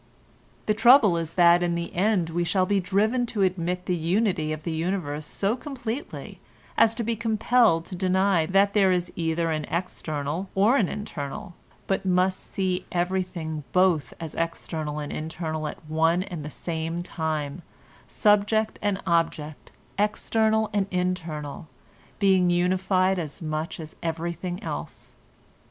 The trouble is that in the end we shall be driven to admit the unity of the universe so completely as to be compelled to deny that there is either an external or an internal, but must see everything both as external and internal at one and the same time, subject and object—external and internal—being unified as much as everything else.